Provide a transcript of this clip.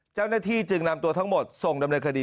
เจ้าหน้าที่จึงนำตัวทั้งหมดส่งดำเนินคดี